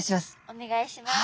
お願いします。